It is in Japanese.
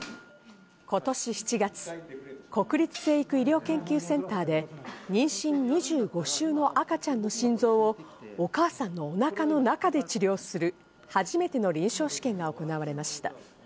今年７月、国立成育医療研究センターで妊娠２５週の赤ちゃんの心臓をお母さんのお腹の中で治療する初めての臨床試験が行われました。